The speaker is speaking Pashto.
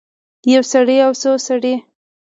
یو سړی او څو سړي